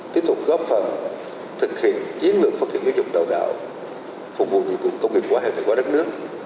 tiếp tục góp phần thực hiện chiến lược phát triển dục đào tạo phục vụ dịch vụ công nghiệp quả hệ thống quả đất nước